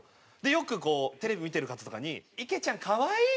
よくテレビ見てる方とかに「池ちゃん可愛い！」みたいな。